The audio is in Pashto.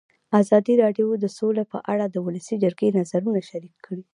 ازادي راډیو د سوله په اړه د ولسي جرګې نظرونه شریک کړي.